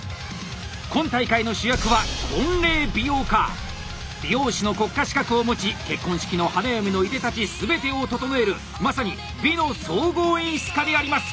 今大会の主役は美容師の国家資格を持ち結婚式の花嫁のいでたち全てを整えるまさに「美」の総合演出家であります。